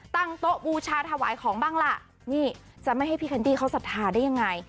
ตั้งโต๊ะบูชาถวายของบ้างล่ะนี่จะไม่ให้พี่แคนดี้เขาศรัทธาได้ยังไง